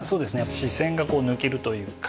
視線がこう抜けるというか。